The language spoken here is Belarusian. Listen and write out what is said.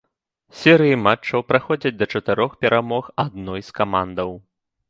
Серыі матчаў праходзяць да чатырох перамог адной з камандаў.